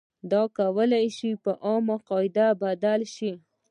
دا کولای شي په عامې قاعدې بدل شي.